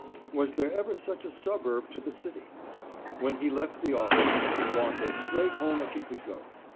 was there ever such a suburb to the city? When he left the office he walked as straight home as he could go.